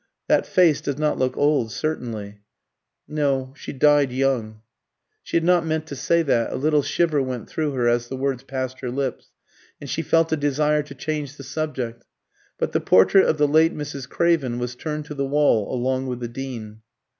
"That face does not look old, certainly." "No. She died young." She had not meant to say that; a little shiver went through her as the words passed her lips, and she felt a desire to change the subject. But the portrait of the late Mrs. Craven was turned to the wall along with the Dean.